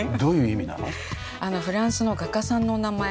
フランスの画家さんのお名前で。